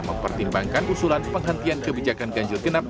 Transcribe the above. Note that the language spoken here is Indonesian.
mempertimbangkan usulan penghentian kebijakan ganjil genap